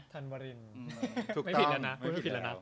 ท่านวรินไม่ผิดแล้วนะ